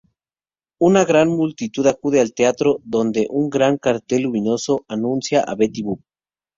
Una multitud acude al teatro, donde un gran cartel luminoso anuncia a Betty Boop.